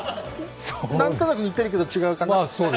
何となく似てるけど、違うかなって。